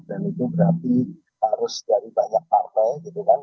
dan itu berarti harus dari banyak partai gitu kan